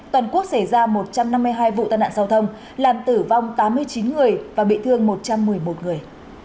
toàn quốc xảy ra một trăm năm mươi hai vụ tai nạn giao thông làm tử vong tám mươi chín người và bị thương một trăm một mươi một người